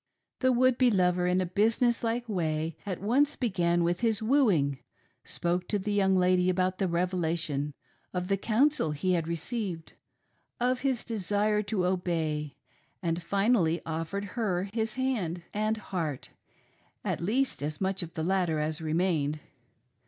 The would be lover in a business like way at once began with his wooing ; spoke to the young lady about the Revelation ; of the " counsel " he had received ; of his desire to obey ; and finally offered her his hand and heart — at least as much of the latter as remained.